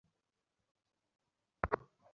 আমি বিস্তারিত রিপোর্ট চাই।